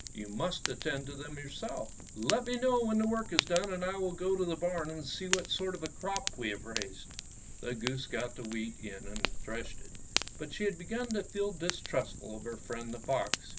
You must attend to them yourself. Let me know when the work is done and I will go to the barn and see what sort of a crop we have raised." The goose got the wheat in and threshed it. But she had begun to feel distrustful of her friend, the fox.